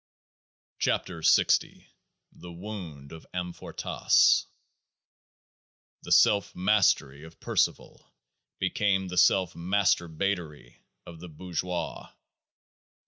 75 KEOAAH S THE WOUND OF AMFORTAS 27 The Self mastery of Percivale became the Self mas turbatery of the Bourgeois.